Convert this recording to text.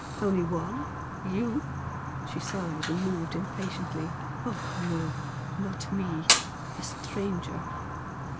"Only one? You?" She sighed, and moved impatiently. "Oh, no! Not me. A stranger."